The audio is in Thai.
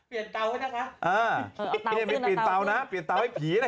เปลี่ยนเตาให้นะคะเออเอาเตาขึ้นเอาเตาขึ้นเปลี่ยนเตานะเปลี่ยนเตาให้ผีนะ